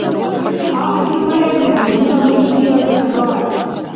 Агь, дила эмхӀе! Дила мургьила лихӀбар!